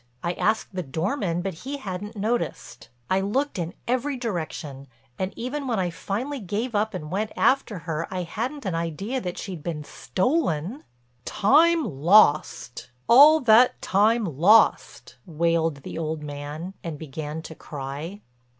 I asked the doorman but he hadn't noticed. I looked in every direction and even when I finally gave up and went after her I hadn't an idea that she'd been stolen." "Time lost—all that time lost!" wailed the old man and began to cry.